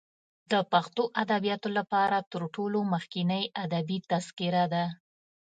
د پښتو ادبیاتو لپاره تر ټولو مخکنۍ ادبي تذکره ده.